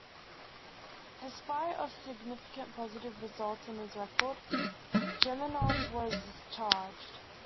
In spite of significant positive results in his record, Semyonov was discharged.